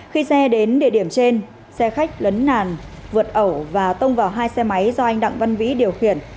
khi xe đến địa điểm trên xe khách lấn nàn vượt ẩu và tông vào hai xe máy do anh đặng văn vĩ điều khiển